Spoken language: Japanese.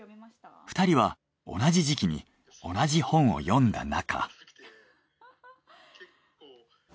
２人は同じ時期に同じ本を読んだ仲。